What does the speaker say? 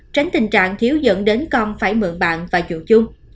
tránh tình trạng thiếu dẫn đến con phải mượn bạn và dụ chung